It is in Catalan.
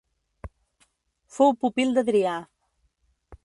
Fou pupil d'Adrià.